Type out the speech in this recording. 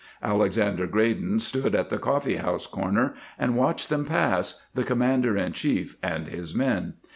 Alexander Graydon stood at the coffee house corner and watched them pass, the Commander in chief and his men.